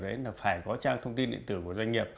đấy là phải có trang thông tin điện tử của doanh nghiệp